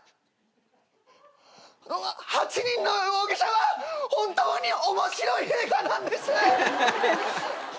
『８人の容疑者』は本当に面白い映画なんです！